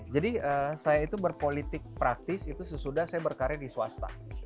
jadi saya itu berpolitik praktis itu sesudah saya berkarya di swasta